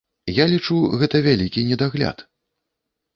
Я лічу, гэта вялікі недагляд.